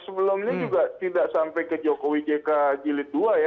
sebelumnya juga tidak sampai ke jokowi jk jilid dua ya